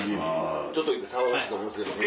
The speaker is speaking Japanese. ちょっと騒がしいと思いますけど。